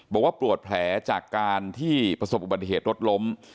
บอกว่าปวดแผลจากการที่ประสบอุบัติเหตุรถล้ม